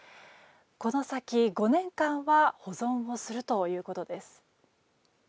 この先、５年間は保存をするということです。